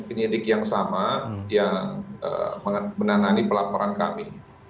penyidik yang sama yang menangani pelaporan kami